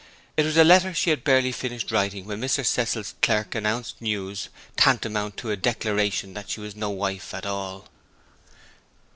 It was the letter she had barely finished writing when Mr. Cecil's clerk announced news tantamount to a declaration that she was no wife at all.